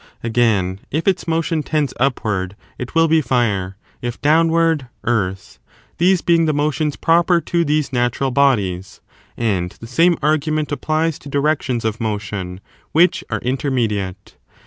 Again, if its motion tends upward, 5 it will be fire; if downward, earth; these being the motions proper to these natural bodies. And the same argument applies to directions of motion which are intermediate.